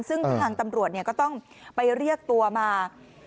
ซึ่งทางตำรวจก็ต้องไปเรียกตัวมา